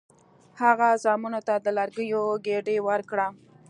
هغه زامنو ته د لرګیو ګېډۍ ورکړه.